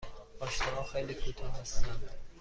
پاشنه ها خیلی کوتاه هستند.